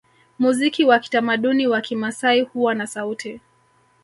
Muziki wa kitamaduni wa Kimasai huwa na sauti